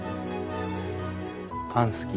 パン好き？